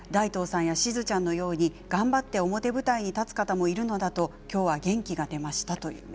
それでも大東さんやしずちゃんのように頑張って表舞台に立つ方もいるんだと元気が出てきました。